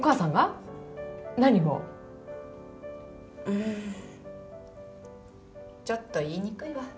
うんちょっと言いにくいわ。